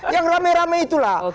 yang rame rame itulah